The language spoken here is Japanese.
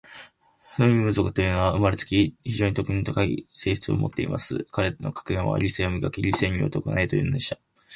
フウイヌム族というのは、生れつき、非常に徳の高い性質を持っています。彼等の格言は、『理性を磨け。理性によって行え。』というのでした。